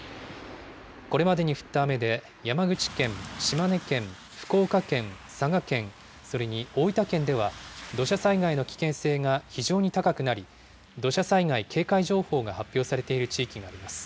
これまでに降った雨で山口県、島根県、福岡県、佐賀県、それに大分県では、土砂災害の危険性が非常に高くなり、土砂災害警戒情報が発表されている地域があります。